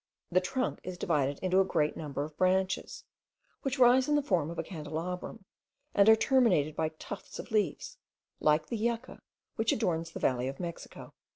The trunk is divided into a great number of branches, which rise in the form of a candelabrum, and are terminated by tufts of leaves, like the yucca which adorns the valley of Mexico.